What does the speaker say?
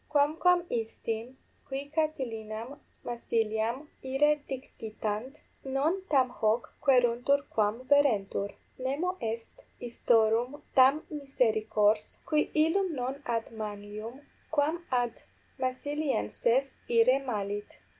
Quamquam isti, qui 16 Catilinam Massiliam ire dictitant, non tam hoc queruntur quam verentur. Nemo est istorum tam misericors, qui illum non ad Manlium quam ad Massilienses ire malit.